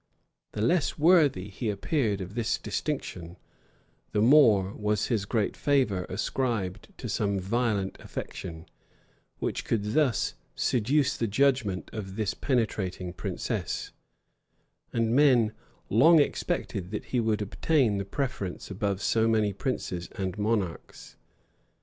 The less worthy he appeared of this distinction, the more was his great favor ascribed to some violent affection, which could thus seduce the judgment of this penetrating princess; and men long expected that he would obtain the preference above so many princes and monarchs.